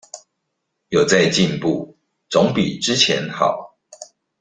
有在進步總比之前好